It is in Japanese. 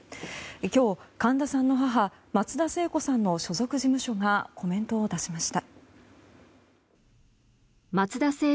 今日、神田さんの母松田聖子さんの所属事務所がコメントを出しました。